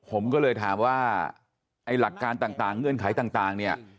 ผมก็เลยถามว่าไอ้หลักการต่างเงื่อนไขต่างเนี่ย